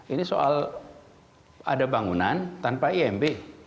ini soal ada bangunan tanpa imb